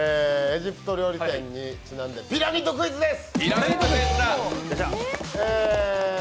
エジプト料理店にちなんでピラミッドクイズです。